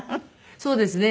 そうですね。